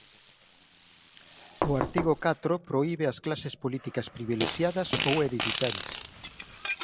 O artigo catro prohibe as clases políticas privilexiadas ou hereditarias.